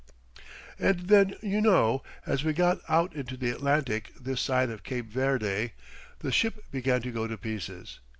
And then you know, as we got out into the Atlantic this side of Cape Verde, the ship began to go to pieces.